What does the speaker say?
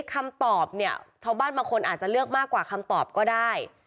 คำตอบเนี่ยชาวบ้านบางคนอาจจะเลือกมากกว่าคำตอบก็ได้